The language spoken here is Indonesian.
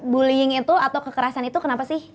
bullying itu atau kekerasan itu kenapa sih